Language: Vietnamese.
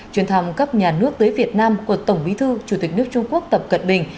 chuyến thăm cấp nhà nước tới việt nam của tổng bí thư chủ tịch nước trung quốc tập cận bình